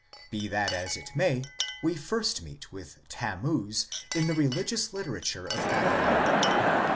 ... Be that as it may, we first meet with Tammuz in the religious literature of Babylon.